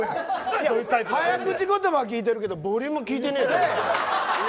早口言葉は聞いてるけどボリュームは聞いてねえ。